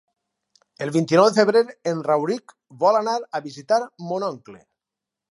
El vint-i-nou de febrer en Rauric vol anar a visitar mon oncle.